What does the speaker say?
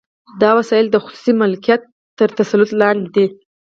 دا وسایل د خصوصي مالکیت تر تسلط لاندې دي